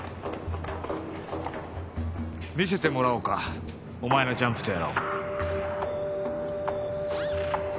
見せてもらおうかお前のジャンプとやらを。